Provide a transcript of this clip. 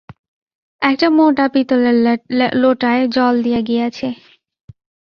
একটা মোটা পিতলের লোটায় জল দিয়া গিয়াছে।